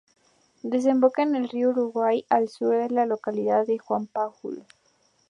Desemboca en el río Uruguay al sur de la localidad de Juan Pujol.